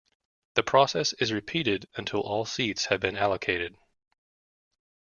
The process is repeated until all seats have been allocated.